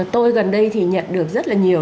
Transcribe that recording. tôi gần đây thì nhận được rất là nhiều